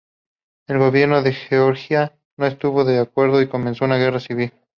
El gobierno de Georgia no estuvo de acuerdo y comenzó una guerra civil.